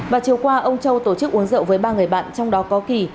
và chiều qua ông châu tổ chức uống rượu với ba người bạn trong đó có kỳ